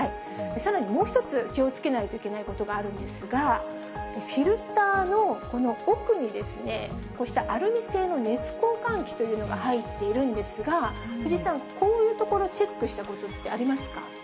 さらにもう一つ、気をつけないといけないことがあるんですが、フィルターのこの奥に、こうしたアルミ製の熱交換器というのが入っているんですが、藤井さん、こういう所、チェックしたことってありますか？